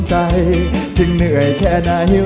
ใจจึงเหนื่อยแค่ไหน